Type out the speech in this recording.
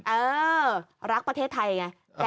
เออรักประเทศไทยไง